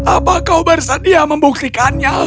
apa kau bersedia membuktikannya